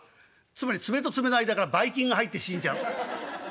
「つまり爪と爪の間からバイ菌が入って死んじゃう」。